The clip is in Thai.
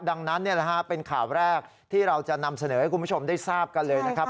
ดังนั้นเป็นข่าวแรกที่เราจะนำเสนอให้คุณผู้ชมได้ทราบกันเลยนะครับ